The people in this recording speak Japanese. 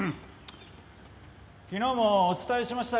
昨日もお伝えしましたが。